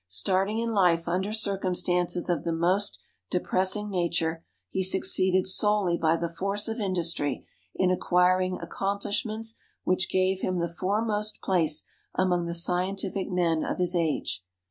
Starting in life under circumstances of the most depressing nature, he succeeded solely by the force of industry in acquiring accomplishments which gave him the foremost place among the scientific men of his age.